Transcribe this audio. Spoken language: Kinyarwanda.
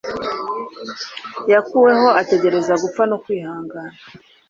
yakuweho ategereza gupfa no kwihangana